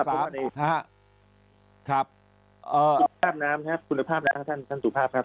คุณภาพน้ำครับคุณภาพน้ำท่านสุภาพครับ